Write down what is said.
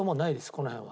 この辺は。